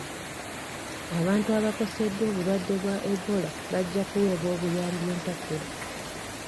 Abantu abakoseddwa obulwadde bwa Ebola bajja kuweebwa obuyambi entakera.